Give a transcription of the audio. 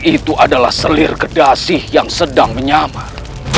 ini adalah selir gedasih yang sedang menyamar